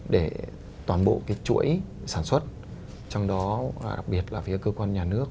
để toàn bộ chuỗi sản xuất trong đó đặc biệt là phía cơ quan nhà nước